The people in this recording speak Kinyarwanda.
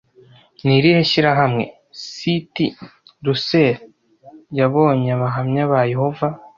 Ni irihe shyirahamwe CT Russell yabonye Abahamya ba Yehova